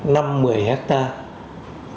năm mười hectare